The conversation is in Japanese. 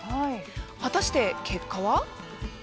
果たして結果は？